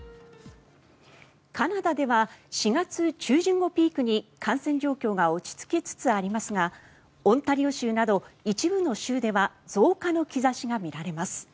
カナダでは４月中旬をピークに感染状況が落ち着きつつありますがオンタリオ州など一部の州では増加の兆しが見られます。